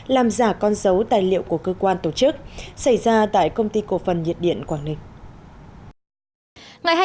làm giả con dấu tài liệu của cơ quan tổ chức xảy ra tại công ty cổ phần nhiệt điện quảng ninh